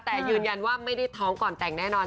แต่ยืนยันว่าไม่ได้ท้องก่อนแต่งแน่นอน